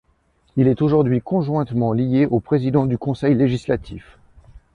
Il est aujourd’hui conjointement lié au président du Conseil législatif.